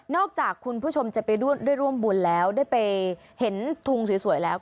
จากคุณผู้ชมจะไปได้ร่วมบุญแล้วได้ไปเห็นทุงสวยแล้ว